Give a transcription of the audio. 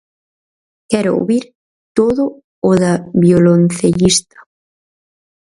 Quero ouvir todo o da violoncellista.